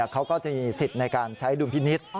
เขาก็จะมีสิทธิ์ในการใช้ดุลพินิษฐ์